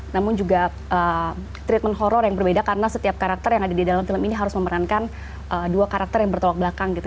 namun juga treatment horror yang berbeda karena setiap karakter yang ada di dalam film ini harus memerankan dua karakter yang bertolak belakang gitu